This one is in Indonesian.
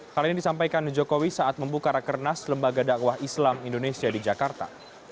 hal ini disampaikan jokowi saat membuka rakernas lembaga dakwah islam indonesia di jakarta